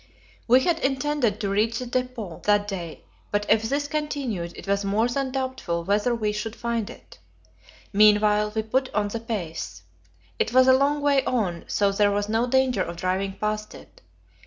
We had intended to reach the depot that day, but if this continued, it was more than doubtful whether we should find it. Meanwhile we put on the pace. It was a long way on, so there was no danger of driving past it.